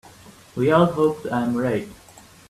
We all hope I am right.